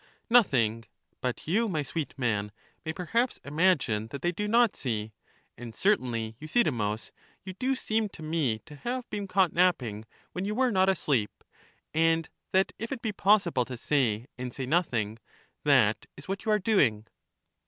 Nothing; but you, my sweet man, may perhaps imagine that they do not see; and certainly, Euthy demus, you do seem to me to have been caught nap ping when you were not asleep, and that if it be pos sible to say and say nothing — that is what you are doing.